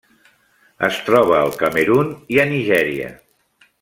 Es troba al Camerun i a Nigèria.